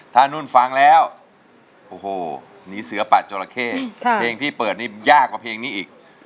ถ้านุ่นฟังแล้วโอ้โหหนีเสือปะจราเข้เพลงที่เปิดนี่ยากกว่าเพลงนี้อีก